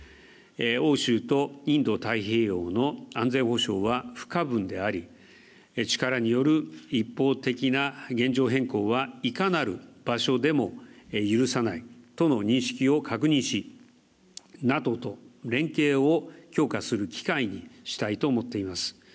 欧州とインド太平洋の安全保障は不可分であり、力による一方的な現状変更はいかなる場所でも許さないとの認識を確認しＮＡＴＯと連携を強化する機会にしたいと思っています。